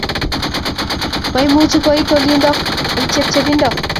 Maimuch koit olindok eng chepchepindo